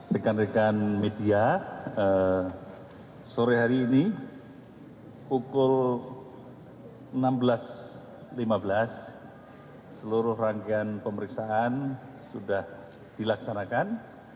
rekan rekan media sore hari ini pukul enam belas lima belas seluruh rangkaian pemeriksaan sudah dilaksanakan